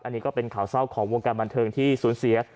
อันนี้ก็เป็นข่าวเศร้าของวงการบันเทิงที่สูญเสีย